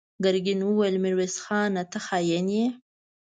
ګرګين وويل: ميرويس خانه! ته خاين يې!